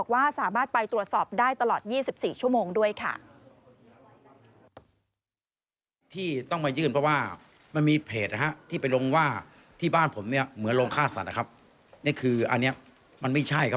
ว่าที่บ้านผมเนี่ยเหมือนโรงฆ่าสัตว์นะครับนี่คืออันเนี้ยมันไม่ใช่ครับ